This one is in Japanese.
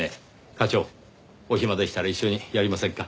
課長お暇でしたら一緒にやりませんか？